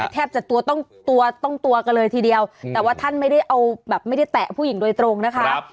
แทบจะตัวต้องตัวต้องตัวกันเลยทีเดียวแต่ว่าท่านไม่ได้เอาแบบไม่ได้แตะผู้หญิงโดยตรงนะคะ